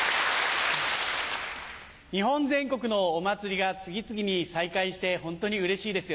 日本全国のお祭りが次々に再開してホントにうれしいですよね。